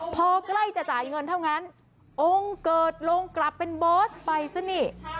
พอใกล้จะจ่ายเงินเท่านั้นองค์เกิดลงกลับเป็นบอสไปซะนี่